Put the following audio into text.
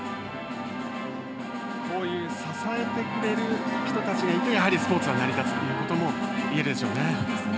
こういう支えてくれる人たちがいてスポーツは成り立つということもいえるでしょうね。